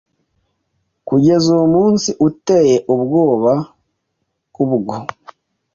kugeza uwo munsi uteye ubwoba ubwo